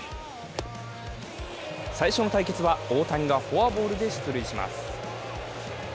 最初の対決は大谷がフォアボールで出塁します